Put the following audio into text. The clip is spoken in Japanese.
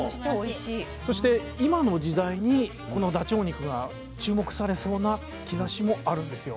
そして今の時代にこのダチョウ肉が注目されそうな兆しもあるんですよ。